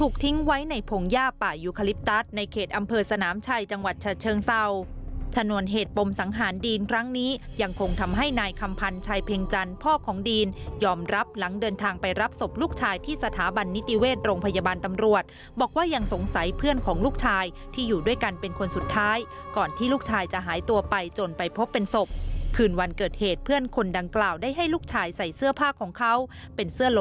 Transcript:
คงทำให้นายคำพันธ์ชายเพียงจันทร์พ่อของดีนยอมรับหลังเดินทางไปรับศพลูกชายที่สถาบันนิติเวทโรงพยาบาลตำรวจบอกว่ายังสงสัยเพื่อนของลูกชายที่อยู่ด้วยกันเป็นคนสุดท้ายก่อนที่ลูกชายจะหายตัวไปจนไปพบเป็นศพคืนวันเกิดเหตุเพื่อนคนดังกล่าวได้ให้ลูกชายใส่เสื้อผ้าของเขาเป็นเสื้